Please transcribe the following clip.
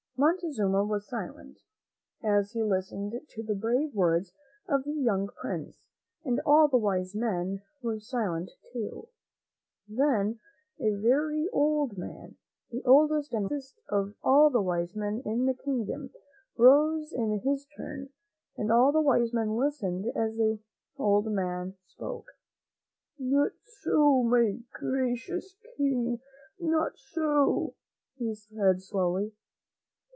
'" Montezuma was silent as he listened to the brave words of the young prince, and all the wise men were silent too. Then a very old man, the oldest and wisest of all the wise men in the kingdom, rose in his turn; and all the wise men listened as the old man spoke. "Not so, my gracious King, not so," he said slowly.